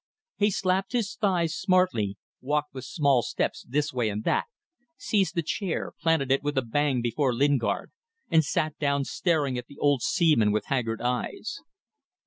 He slapped his thighs smartly, walked with small steps this way and that, seized a chair, planted it with a bang before Lingard, and sat down staring at the old seaman with haggard eyes.